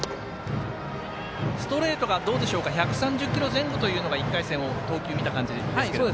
ストレートが１３０キロ前後というのが、１回戦投球、見た感じですけども。